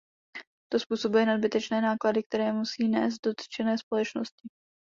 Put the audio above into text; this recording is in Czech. To způsobuje nadbytečné náklady, které musí nést dotčené společnosti.